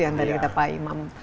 yang tadi ada pak imam